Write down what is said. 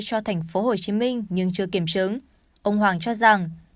cho thành phố hồ chí minh nhưng chưa kiểm chứng ông hoàng cho rằng